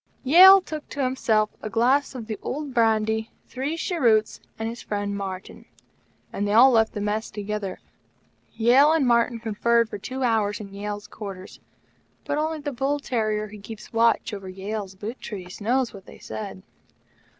Yale took to himself a glass of the old brandy, three cheroots, and his friend, Martyn; and they all left the Mess together. Yale and Martyn conferred for two hours in Yale's quarters; but only the bull terrier who keeps watch over Yale's boot trees knows what they said.